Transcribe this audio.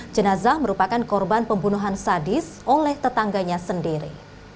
jenazah merupakan korban pembunuhan sadis oleh tetangganya sendiri